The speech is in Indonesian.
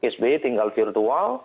sby tinggal virtual